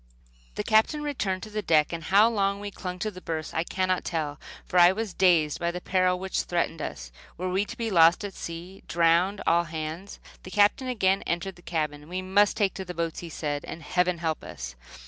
The Captain returned to the deck, and how long we clung to the berths I cannot tell, for I was dazed by the peril which threatened us Were we to be lost at sea, drowned, all hands? The Captain again entered the cabin. "We must take to the boats," he said, "and Heaven help us."